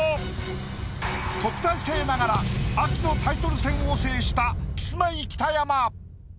特待生ながら秋のタイトル戦を制した。